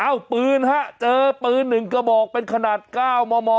อ้าวปืนฮะเจอปืนหนึ่งกระบอกเป็นขนาดเก้ามม